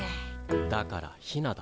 だからヒナだ。